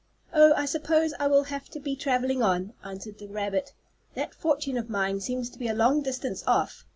"Oh, I suppose I will have to be traveling on," answered the rabbit. "That fortune of mine seems to be a long distance off.